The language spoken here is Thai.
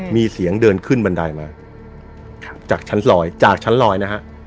มีเสียงเดินขึ้นบันไดมาจากชั้นลอยจากชั้นลอยนะฮะ